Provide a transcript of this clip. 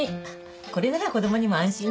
これなら子供にも安心ね。